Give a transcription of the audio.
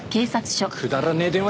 くだらねえ電話